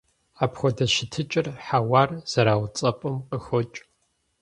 Апхуэдэ щытыкӏэр хьэуар зэрауцӀэпӀым къыхокӀ.